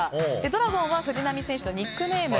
ドラゴンは藤波選手のニックネーム。